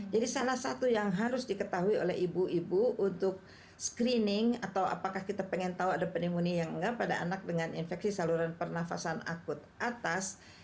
jadi salah satu yang harus diketahui oleh ibu ibu untuk screening atau apakah kita ingin tahu ada pneumonia yang enggak pada anak dengan infeksi saluran pernafasan akut atas